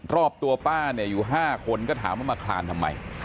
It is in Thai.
รอบตัวป้าอยู่ห้าคนก็ถามว่ามันมาคลานทำไม